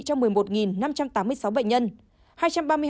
cho một mươi một năm trăm tám mươi sáu bệnh nhân